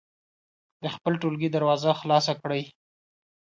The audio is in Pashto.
د خپل ټولګي دروازه خلاصه کړئ.